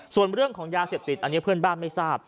ส่วนเรื่องของยาเสพติดอันนี้เพื่อนบ้านไม่ทราบ